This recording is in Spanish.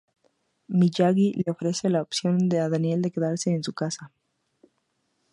Miyagi le ofrece a Daniel la opción de quedarse en su casa.